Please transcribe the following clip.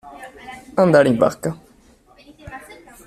Andare in vacca.